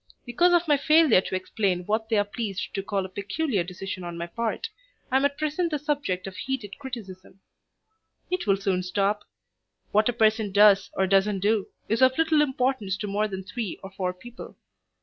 Because of my failure to explain what they are pleased to call a peculiar decision on my part, I am at present the subject of heated criticism. It will soon stop. What a person does or doesn't do is of little importance to more than three or four people.